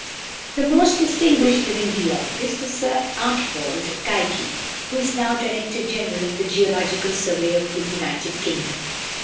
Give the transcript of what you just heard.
The most distinguished living geologist is Sir Archibald Geikie, who is now director general of the Geological Survey of the United Kingdom.